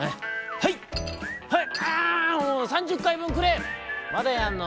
はいはい！